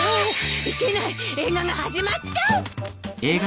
いけない映画が始まっちゃう！